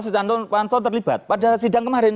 siti anufanto terlibat pada sidang kemarin